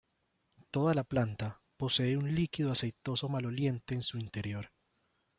Toda la planta posee un líquido aceitoso maloliente en su interior.